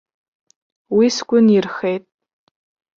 Уи сгәы нирхеит.